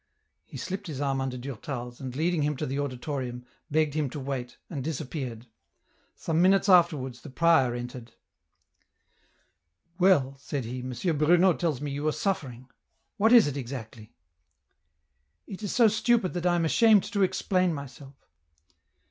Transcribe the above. He slipped his arm under Durtal's, and leading him to the auditorium, begged him to wait, and disappeared. Some minutes afterwards, the prior entered. " Well," said he, " M Bruno tells me that you are suffer ing. What is it, exactly ?" EN ROUTE 207 " It is SO stupid that I am ashamed to explain myself."